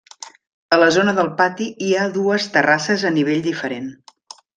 A la zona del pati hi ha dues terrasses a diferent nivell.